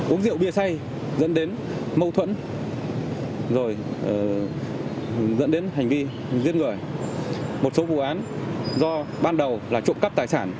uống rượu bia xay dẫn đến mâu thuẫn rồi dẫn đến hành vi giết người một số vụ án do ban đầu là trộm cắp tài sản